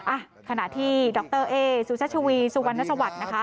อ่ะขณะที่ดรเอสุชัชวีสุวรรณสวัสดิ์นะคะ